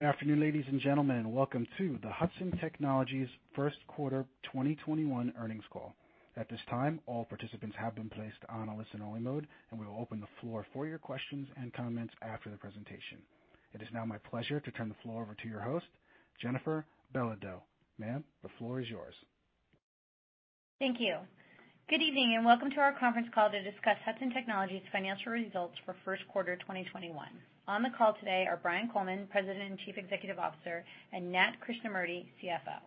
Good Afternoon, ladies and gentlemen. Welcome to the Hudson Technologies first quarter 2021 earnings call. At this time, all participants have been placed on a listen-only mode, and we will open the floor for your questions and comments after the presentation. It is now my pleasure to turn the floor over to your host, Jennifer Belodeau. Ma'am, the floor is yours. Thank you. Good evening, and welcome to our conference call to discuss Hudson Technologies financial results for first quarter 2021. On the call today are Brian Coleman, President and Chief Executive Officer, and Nat Krishnamurti, CFO.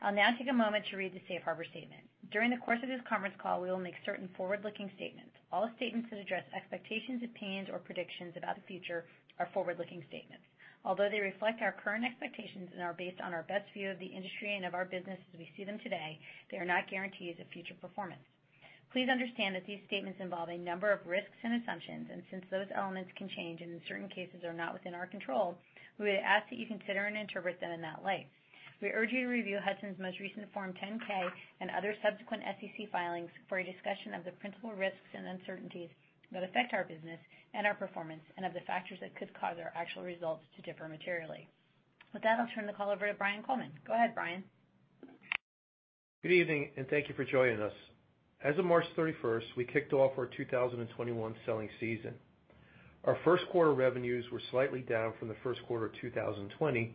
I'll now take a moment to read the safe harbor statement. During the course of this conference call, we will make certain forward-looking statements. All statements that address expectations, opinions, or predictions about the future are forward-looking statements. Although they reflect our current expectations and are based on our best view of the industry and of our business as we see them today, they are not guarantees of future performance. Please understand that these statements involve a number of risks and assumptions, and since those elements can change and in certain cases are not within our control, we would ask that you consider and interpret them in that light. We urge you to review Hudson's most recent Form 10-K and other subsequent SEC filings for a discussion of the principal risks and uncertainties that affect our business and our performance, and of the factors that could cause our actual results to differ materially. With that, I'll turn the call over to Brian Coleman. Go ahead, Brian. Good evening, and thank you for joining us. As of March 31st 2021, we kicked off our 2021 selling season. Our first quarter revenues were slightly down from the first quarter of 2020,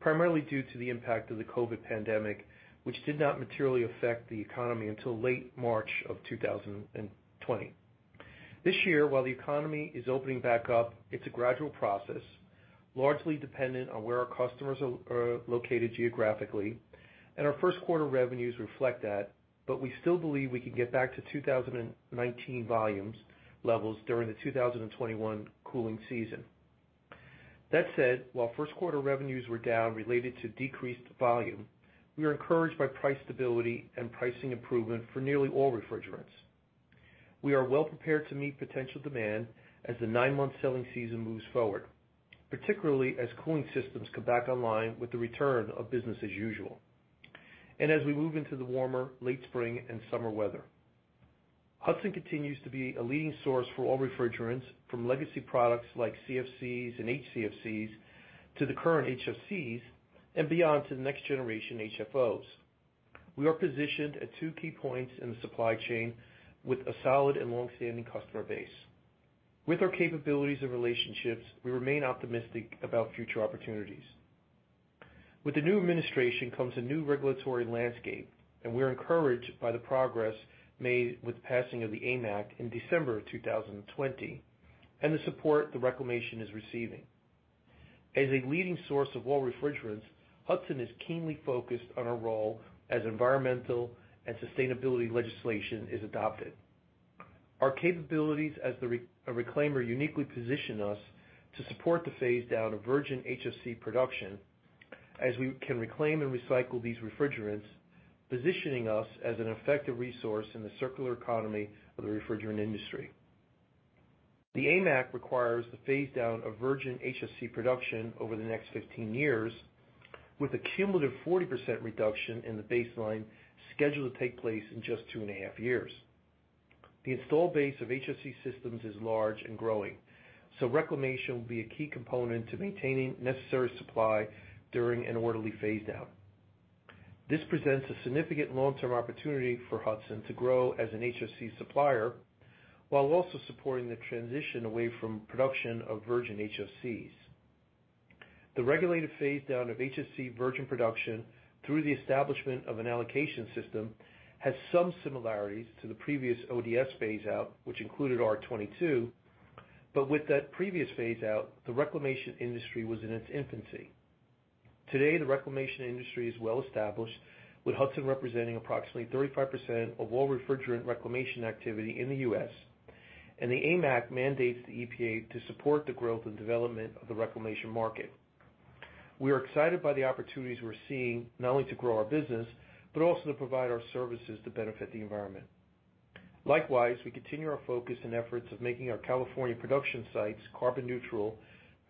primarily due to the impact of the COVID pandemic, which did not materially affect the economy until late March of 2020. This year, while the economy is opening back up, it's a gradual process, largely dependent on where our customers are located geographically, and our first quarter revenues reflect that, but we still believe we can get back to 2019 volumes levels during the 2021 cooling season. That said, while first quarter revenues were down related to decreased volume, we are encouraged by price stability and pricing improvement for nearly all refrigerants. We are well prepared to meet potential demand as the nine-month selling season moves forward, particularly as cooling systems come back online with the return of business as usual, and as we move into the warmer late spring and summer weather. Hudson continues to be a leading source for all refrigerants, from legacy products like CFCs and HCFCs to the current HFCs, and beyond to the next generation, HFOs. We are positioned at two key points in the supply chain with a solid and longstanding customer base. With our capabilities and relationships, we remain optimistic about future opportunities. With the new administration comes a new regulatory landscape, and we're encouraged by the progress made with the passing of the AIM Act in December of 2020, and the support the reclamation is receiving. As a leading source of all refrigerants, Hudson is keenly focused on our role as environmental and sustainability legislation is adopted. Our capabilities as a reclaimer uniquely position us to support the phase down of virgin HFC production as we can reclaim and recycle these refrigerants, positioning us as an effective resource in the circular economy of the refrigerant industry. The AIM Act requires the phase down of virgin HFC production over the next 15 years with a cumulative 40% reduction in the baseline scheduled to take place in just two and a half years. The install base of HFC systems is large and growing, so reclamation will be a key component to maintaining necessary supply during an orderly phase down. This presents a significant long-term opportunity for Hudson to grow as an HFC supplier while also supporting the transition away from production of virgin HFCs. The regulated phase down of HFC virgin production through the establishment of an allocation system has some similarities to the previous ODS phase out, which included R-22. With that previous phase out, the reclamation industry was in its infancy. Today, the reclamation industry is well established with Hudson representing approximately 35% of all refrigerant reclamation activity in the U.S, and the AIM Act mandates the EPA to support the growth and development of the reclamation market. We are excited by the opportunities we're seeing, not only to grow our business, but also to provide our services to benefit the environment. Likewise, we continue our focus and efforts of making our California production sites carbon neutral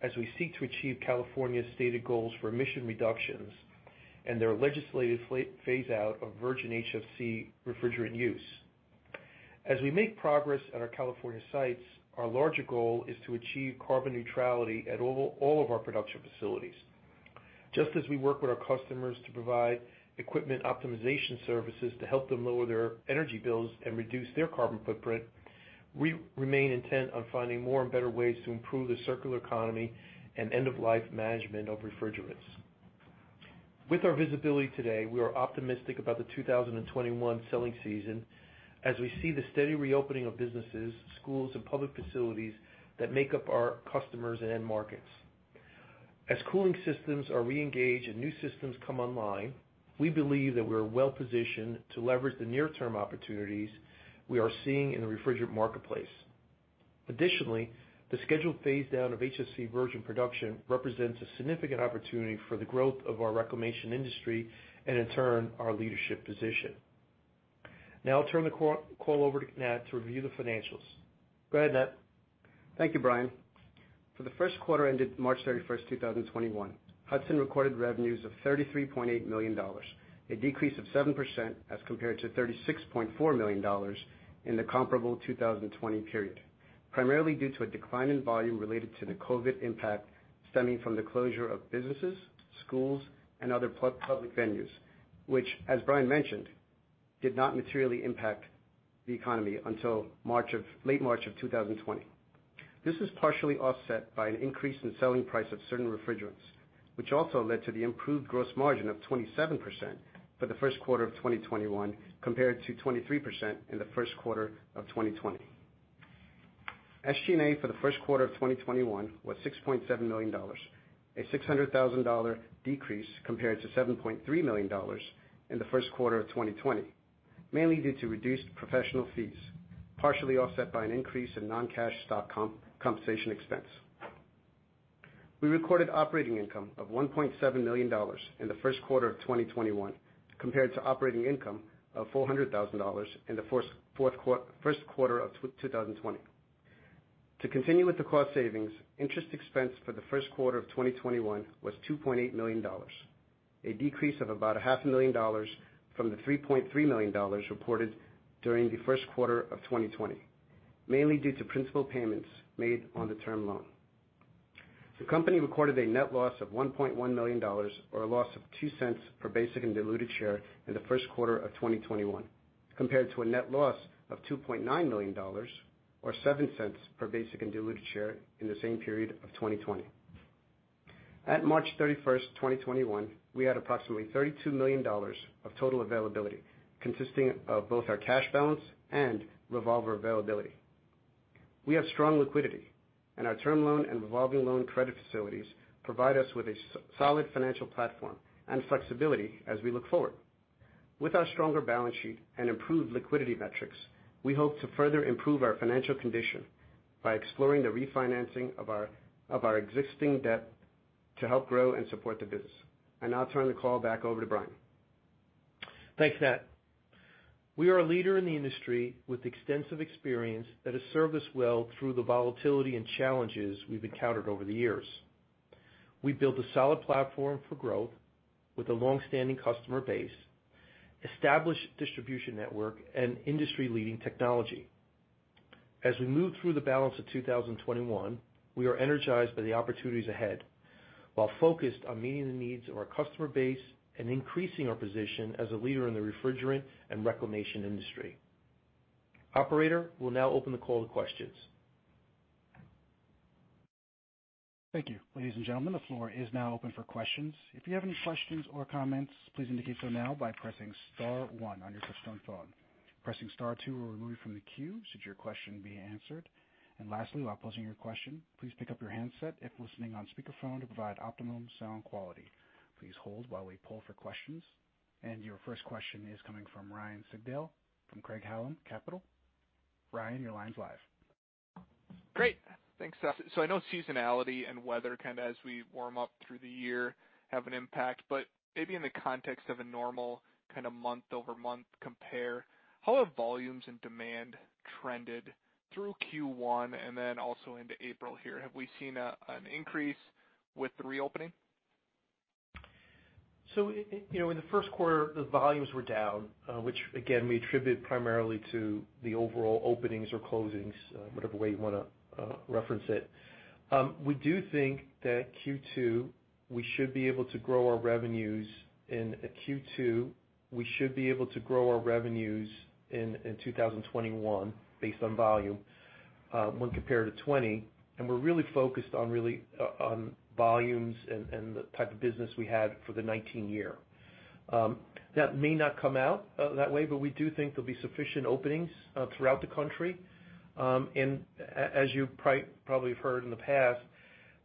as we seek to achieve California's stated goals for emission reductions and their legislative phase out of virgin HFC refrigerant use. As we make progress at our California sites, our larger goal is to achieve carbon neutrality at all of our production facilities. Just as we work with our customers to provide equipment optimization services to help them lower their energy bills and reduce their carbon footprint, we remain intent on finding more and better ways to improve the circular economy and end of life management of refrigerants. With our visibility today, we are optimistic about the 2021 selling season as we see the steady reopening of businesses, schools, and public facilities that make up our customers and end markets. As cooling systems are reengaged and new systems come online, we believe that we're well-positioned to leverage the near-term opportunities we are seeing in the refrigerant marketplace. Additionally, the scheduled phase down of HFC virgin production represents a significant opportunity for the growth of our reclamation industry, and in turn, our leadership position. Now I'll turn the call over to Nat to review the financials. Go ahead, Nat. Thank you, Brian. For the first quarter ended March 31st, 2021, Hudson recorded revenues of $33.8 million, a decrease of 7% as compared to $36.4 million in the comparable 2020 period. Primarily due to a decline in volume related to the COVID impact stemming from the closure of businesses, schools, and other public venues, which, as Brian mentioned, did not materially impact the economy until late March of 2020. This was partially offset by an increase in selling price of certain refrigerants, which also led to the improved gross margin of 27% for the first quarter of 2021, compared to 23% in the first quarter of 2020. SG&A for the first quarter of 2021 was $6.7 million, a $600,000 decrease compared to $7.3 million in the first quarter of 2020, mainly due to reduced professional fees, partially offset by an increase in non-cash stock compensation expense. We recorded operating income of $1.7 million in the first quarter of 2021 compared to operating income of $400,000 in the first quarter of 2020. To continue with the cost savings, interest expense for the first quarter of 2021 was $2.8 million, a decrease of about a $500,000 from the $3.3 million reported during the first quarter of 2020, mainly due to principal payments made on the term loan. The company recorded a net loss of $1.1 million, or a loss of $0.02 per basic and diluted share in the first quarter of 2021, compared to a net loss of $2.9 million, or $0.07 per basic and diluted share in the same period of 2020. At March 31st, 2021, we had approximately $32 million of total availability, consisting of both our cash balance and revolver availability. We have strong liquidity, and our term loan and revolving loan credit facilities provide us with a solid financial platform and flexibility as we look forward. With our stronger balance sheet and improved liquidity metrics, we hope to further improve our financial condition by exploring the refinancing of our existing debt to help grow and support the business. I now turn the call back over to Brian. Thanks, Nat. We are a leader in the industry with extensive experience that has served us well through the volatility and challenges we've encountered over the years. We've built a solid platform for growth with a longstanding customer base, established distribution network, and industry-leading technology. As we move through the balance of 2021, we are energized by the opportunities ahead while focused on meeting the needs of our customer base and increasing our position as a leader in the refrigerant and reclamation industry. Operator, we'll now open the call to questions. Thank you. Ladies and Gentlemen the floor is now open for questions. If you're having questions or comments please from indicate now by pressing star one on your touch-tone phone. Pressing star two will remove you from the queue should your questions been answered. Lastly, while pausing your question please pick up your headset if listening on speaker phone to provide optimum sound quality. Please hold while we pause for questions. Your first question is coming from Ryan Sigdahl from Craig-Hallum Capital. Ryan, your line's live. Great. Thanks. I know seasonality and weather as we warm up through the year, have an impact, but maybe in the context of a normal month-over-month compare, how have volumes and demand trended through Q1 and then also into April here? Have we seen an increase with the reopening? In the first quarter, those volumes were down, which again, we attribute primarily to the overall openings or closings, whatever way you want to reference it. We do think that Q2, we should be able to grow our revenues in 2021 based on volume when compared to 2020, and we're really focused on volumes and the type of business we had for the 2019 year. That may not come out that way, but we do think there'll be sufficient openings throughout the country. As you probably have heard in the past,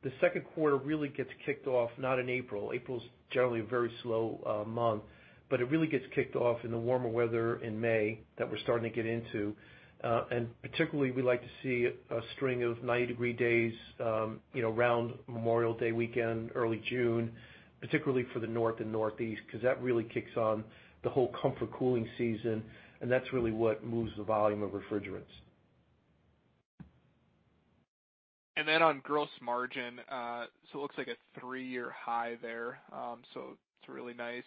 the second quarter really gets kicked off not in April. April's generally a very slow month, but it really gets kicked off in the warmer weather in May that we're starting to get into. Particularly, we like to see a string of 90-degree days around Memorial Day weekend, early June, particularly for the North and Northeast, because that really kicks on the whole comfort cooling season, and that's really what moves the volume of refrigerants. On gross margin, it looks like a three-year high there. It's really nice.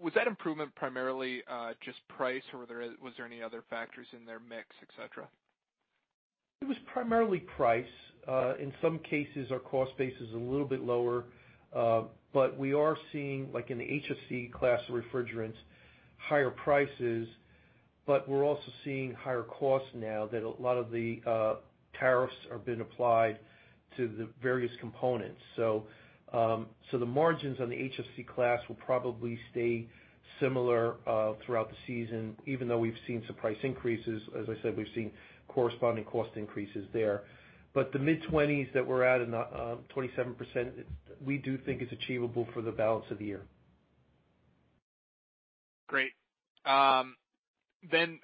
Was that improvement primarily just price, or was there any other factors in there, mix, et cetera? It was primarily price. In some cases, our cost base is a little bit lower. We are seeing, like in the HFC class of refrigerants, higher prices, we're also seeing higher costs now that a lot of the tariffs are being applied to the various components. The margins on the HFC class will probably stay similar throughout the season, even though we've seen some price increases. As I said, we've seen corresponding cost increases there. The mid-20s that we're at and the 27%, we do think is achievable for the balance of the year. Great. Maybe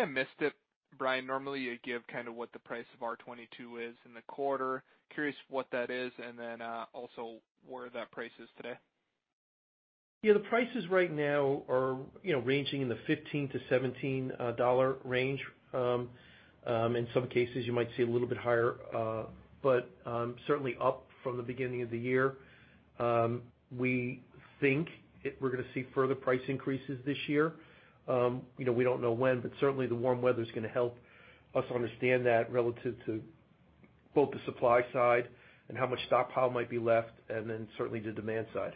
I missed it, Brian. Normally, you give what the price of R-22 is in the quarter. Curious what that is, and then also where that price is today? Yeah, the prices right now are ranging in the $15-$17 range. In some cases, you might see a little bit higher. Certainly up from the beginning of the year. We think we're going to see further price increases this year. We don't know when, but certainly the warm weather's going to help us understand that relative to both the supply side and how much stockpile might be left, and then certainly the demand side.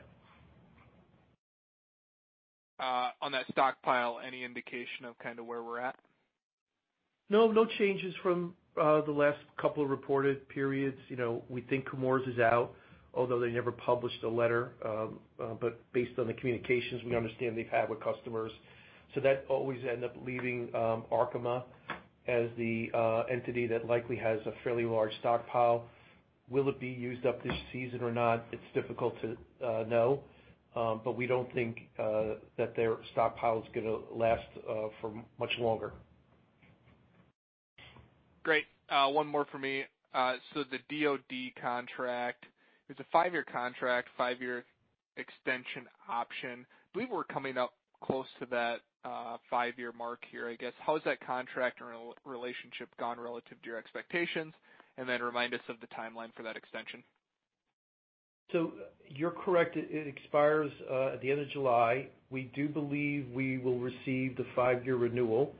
On that stockpile, any indication of where we're at? No changes from the last couple of reported periods. We think Chemours is out, although they never published a letter. Based on the communications we understand they've had with customers. That always end up leaving Arkema as the entity that likely has a fairly large stockpile. Will it be used up this season or not? It's difficult to know. We don't think that their stockpile is going to last for much longer. Great. One more from me. The DoD contract is a five-year contract, five-year extension option. I believe we're coming up close to that five-year mark here. How has that contract or relationship gone relative to your expectations? Remind us of the timeline for that extension? You're correct. It expires at the end of July. We do believe we will receive the five-year renewal.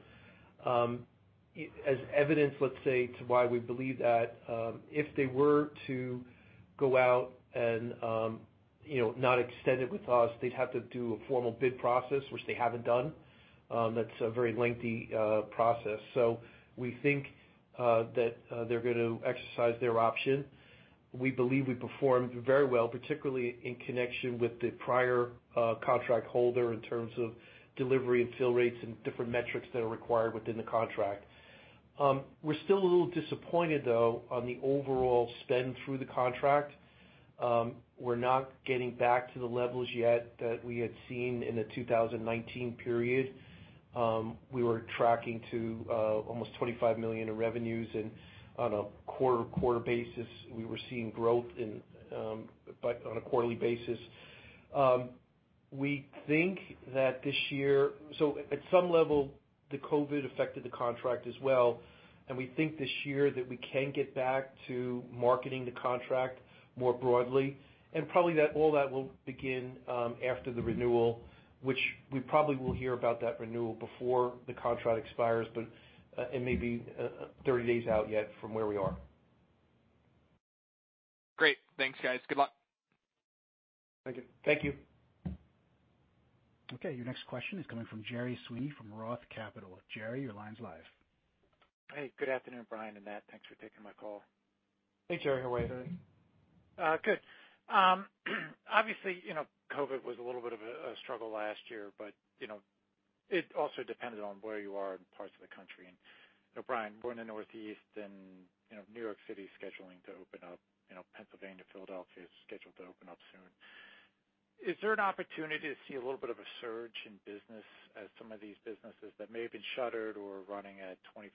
As evidence, let's say, to why we believe that if they were to go out and not extend it with us, they'd have to do a formal bid process, which they haven't done. That's a very lengthy process. We think that they're going to exercise their option. We believe we performed very well, particularly in connection with the prior contract holder in terms of delivery and fill rates and different metrics that are required within the contract. We're still a little disappointed, though, on the overall spend through the contract. We're not getting back to the levels yet that we had seen in the 2019 period. We were tracking to almost $25 million in revenues, and on a quarter-to-quarter basis, we were seeing growth on a quarterly basis. At some level, the COVID affected the contract as well, and we think this year that we can get back to marketing the contract more broadly. Probably all that will begin after the renewal, which we probably will hear about that renewal before the contract expires, but it may be 30 days out yet from where we are. Great. Thanks, guys. Good luck. Thank you. Thank you. Okay, your next question is coming from Gerry Sweeney from Roth Capital. Gerry, your line's live. Hey, good afternoon, Brian and Nat. Thanks for taking my call. Hey, Gerry. How are you today? Good. Obviously, COVID was a little bit of a struggle last year, but it also depended on where you are in parts of the country. Brian, born in the Northeast and New York City is scheduling to open up. Pennsylvania, Philadelphia is scheduled to open up soon. Is there an opportunity to see a little bit of a surge in business as some of these businesses that may have been shuttered or running at 25%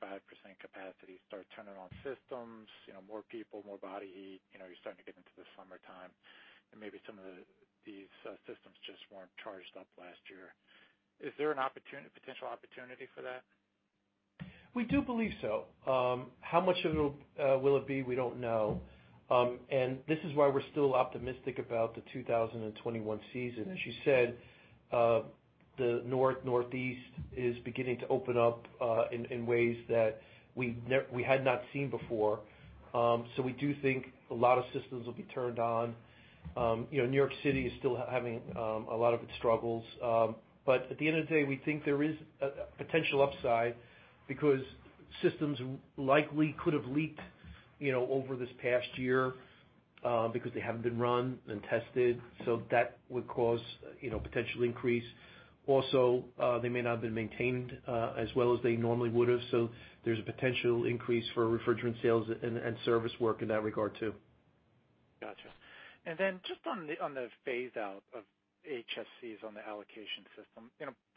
capacity start turning on systems, more people, more body heat? You're starting to get into the summertime and maybe some of these systems just weren't charged up last year. Is there a potential opportunity for that? We do believe so. How much of it will it be? We don't know. This is why we're still optimistic about the 2021 season. As you said, the Northeast is beginning to open up in ways that we had not seen before. We do think a lot of systems will be turned on. New York City is still having a lot of its struggles. At the end of the day, we think there is a potential upside because systems likely could have leaked over this past year because they haven't been run and tested. That would cause potential increase. Also, they may not have been maintained as well as they normally would have. There's a potential increase for refrigerant sales and service work in that regard, too. Got you. Just on the phase-out of HFCs on the allocation system.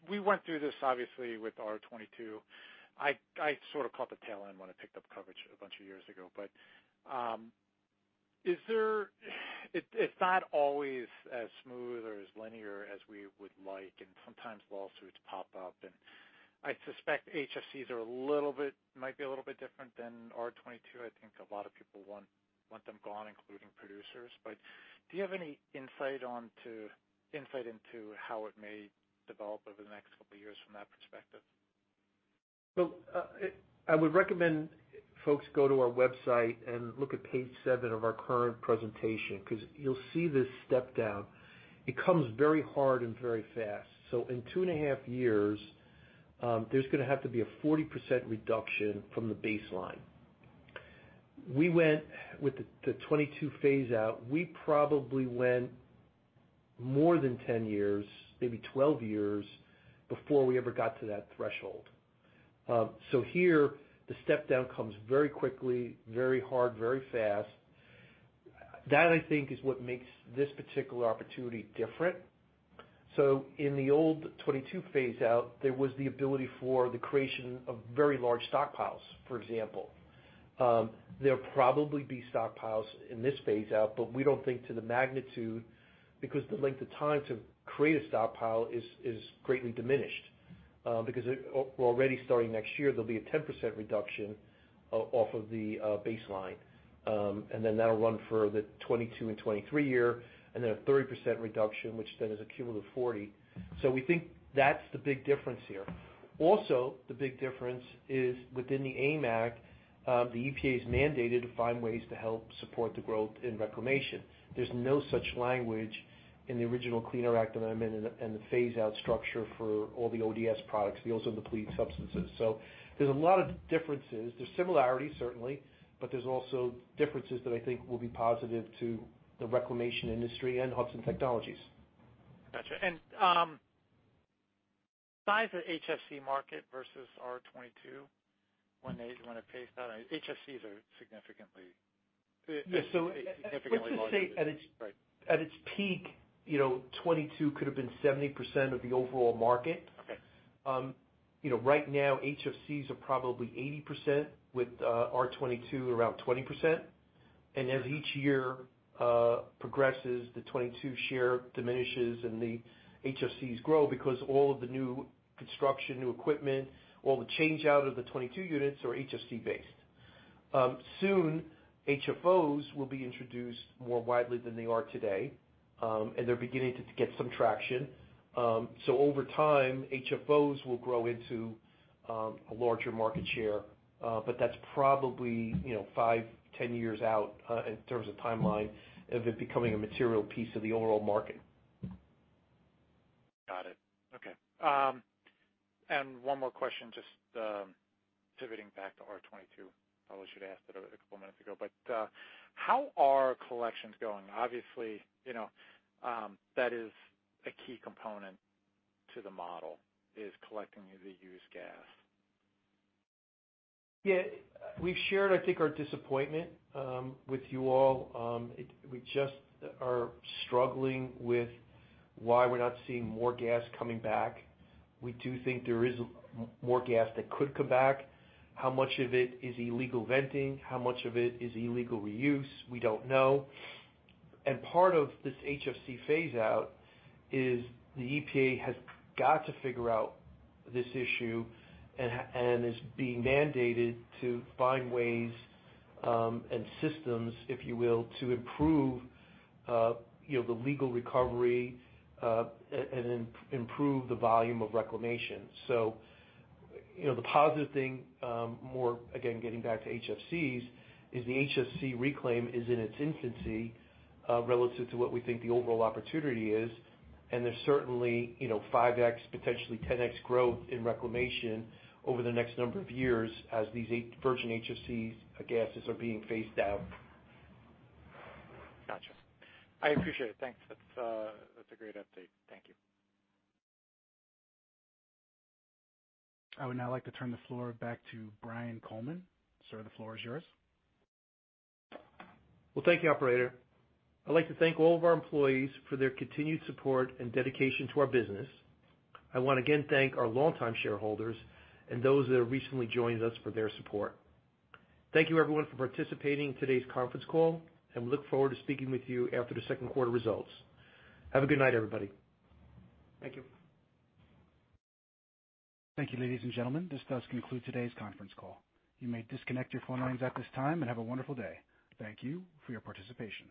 We went through this obviously with R-22. I sort of caught the tail end when I picked up coverage a bunch of years ago. It's not always as smooth or as linear as we would like, and sometimes lawsuits pop up, and I suspect HFCs might be a little bit different than R-22. I think a lot of people want them gone, including producers. Do you have any insight into how it may develop over the next couple of years from that perspective? I would recommend folks go to our website and look at page seven of our current presentation because you'll see this step down. It comes very hard and very fast. In two and a half years, there's going to have to be a 40% reduction from the baseline. With the R-22 phase out, we probably went more than 10 years, maybe 12 years before we ever got to that threshold. Here the step down comes very quickly, very hard, very fast. That, I think, is what makes this particular opportunity different. In the old R-22 phase out, there was the ability for the creation of very large stockpiles, for example. There'll probably be stockpiles in this phase out, but we don't think to the magnitude because the length of time to create a stockpile is greatly diminished because already starting next year, there'll be a 10% reduction off of the baseline. That'll run for the 2022 and 2023 year, and then a 30% reduction, which is a cumulative 40%. We think that's the big difference here. Also, the big difference is within the AIM Act, the EPA is mandated to find ways to help support the growth in reclamation. There's no such language in the original Clean Air Act Amendments and the phase out structure for all the ODS products, the ozone-depleting substances. There's a lot of differences. There's similarities, certainly, but there's also differences that I think will be positive to the reclamation industry and Hudson Technologies. Got you. Size of HFC market versus R-22 when they phase out. HFCs are significantly- Yeah. Significantly larger. Right Let's just say at its peak, R-22 could've been 70% of the overall market. Okay. Right now HFCs are probably 80%, with R-22 around 20%. As each year progresses, the R-22 share diminishes and the HFCs grow because all of the new construction, new equipment, all the change-out of the R-22 units are HFC based. Soon, HFOs will be introduced more widely than they are today, and they're beginning to get some traction. Over time, HFOs will grow into a larger market share. That's probably five, 10 years out, in terms of timeline of it becoming a material piece of the overall market. Got it. Okay. One more question, just pivoting back to R-22. Probably should've asked it a couple minutes ago, but how are collections going? Obviously, that is a key component to the model, is collecting the used gas. We've shared, I think, our disappointment with you all. We just are struggling with why we're not seeing more gas coming back. We do think there is more gas that could come back. How much of it is illegal venting? How much of it is illegal reuse? We don't know. Part of this HFC phase out is the EPA has got to figure out this issue and is being mandated to find ways and systems, if you will, to improve the legal recovery and improve the volume of reclamation. The positive thing, more, again, getting back to HFCs, is the HFC reclaim is in its infancy relative to what we think the overall opportunity is, and there's certainly 5x, potentially 10x growth in reclamation over the next number of years as these virgin HFCs gases are being phased out. Gotcha. I appreciate it. Thanks. That's a great update. Thank you. I would now like to turn the floor back to Brian Coleman. Sir, the floor is yours. Well, thank you, operator. I'd like to thank all of our employees for their continued support and dedication to our business. I want to again thank our longtime shareholders and those that have recently joined us for their support. Thank you everyone for participating in today's conference call, and we look forward to speaking with you after the second quarter results. Have a good night, everybody. Thank you. Thank you, ladies and gentlemen. This does conclude today's conference call. You may disconnect your phone lines at this time and have a wonderful day. Thank you for your participation.